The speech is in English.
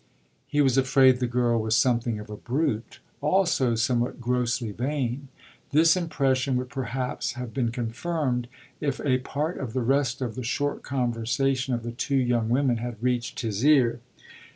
He was afraid the girl was something of a brute also somewhat grossly vain. This impression would perhaps have been confirmed if a part of the rest of the short conversation of the two young women had reached his ear.